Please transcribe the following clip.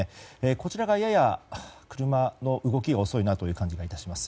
こちらがやや車の動きが遅いなという感じがいたします。